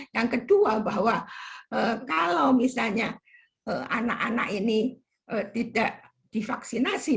yang kedua bahwa kalau misalnya anak anak ini tidak divaksinasi